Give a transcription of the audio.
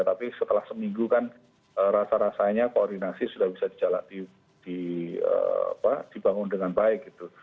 tapi setelah seminggu kan rasa rasanya koordinasi sudah bisa dibangun dengan baik gitu